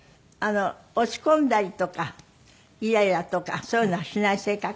落ち込んだりとかイライラとかそういうのはしない性格？